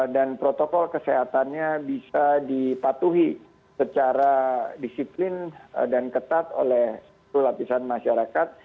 dan protokol kesehatannya bisa dipatuhi secara disiplin dan ketat oleh seluruh lapisan masyarakat